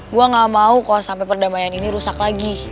gue gak mau kalo sampe perdamaian ini rusak lagi